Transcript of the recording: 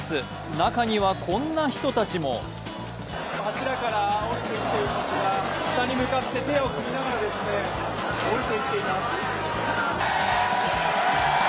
中にはこんな人たちも柱から降りてきていますが下に向かって手を振りながら降りてきています